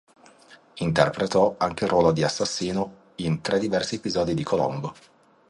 Interpretò anche il ruolo di assassino in tre diversi episodi di "Colombo".